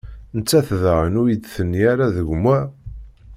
Nettat daɣen ur yi-d-tenni ara: D gma?